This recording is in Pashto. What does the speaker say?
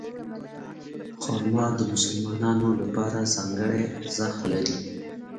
خرما د مسلمانانو لپاره ځانګړی ارزښت لري.